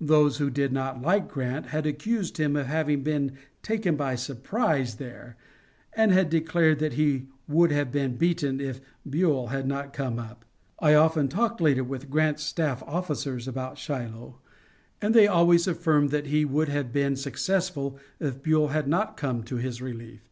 Those who did not like Grant had accused him of having been taken by surprise there, and had declared that he would have been beaten if Buell had not come up. I often talked later with Grant's staff officers about Shiloh, and they always affirmed that he would have been successful if Buell had not come to his relief.